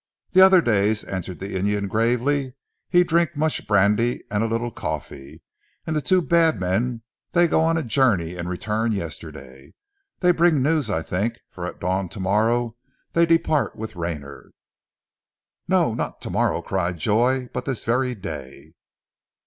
"The other days," answered the Indian gravely, "he drink much brandy and a little coffee, and the two bad men they go on a journey and return yesterday. They bring news I think, for at dawn tomorrow they depart with Rayner." "No! Not tomorrow," cried Joy, "but this very day."